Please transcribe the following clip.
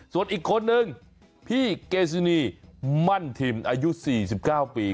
ส่วนอีกคนนึงพี่เกซินีมั่นทิมอายุ๔๙ปี